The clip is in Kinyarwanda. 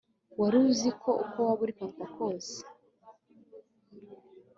wari uzi ko uko waba uri papa kose